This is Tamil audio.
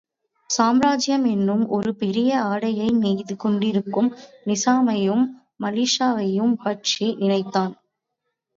சாம்ராஜ்யமென்னும் ஒரு பெரிய ஆடையை நெய்து கொண்டிருக்கும் நிசாமையும், மாலிக்ஷாவையும் பற்றி நினைத்தான்.